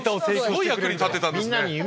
すごい役に立ってたんですね。